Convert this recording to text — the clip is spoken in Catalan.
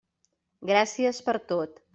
Gràcies per tot.